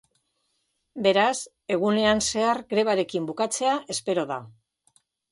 Beraz, egunean zehar grebarekin bukatzea espero da.